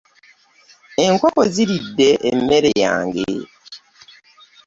Enkoko ziridde emmere yange.